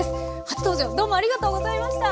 初登場どうもありがとうございました。